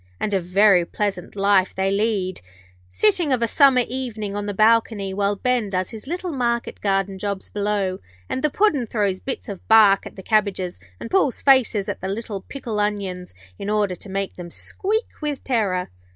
And a very pleasant life they lead, sitting of a summer evening on the balcony while Ben does his little market garden jobs below, and the Puddin' throws bits of bark at the cabbages, and pulls faces at the little pickle onions, in order to make them squeak with terror.